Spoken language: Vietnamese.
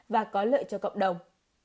và có lợi cho cộng đồng